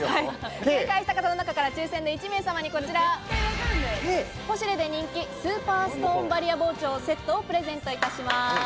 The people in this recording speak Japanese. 正解した方の中から抽選で１名様にこちら、ポシュレで人気、スーパーストーンバリア包丁セットをプレゼントいたします。